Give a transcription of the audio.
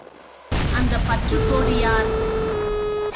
அந்தப் பற்றுக்கோடு யார்?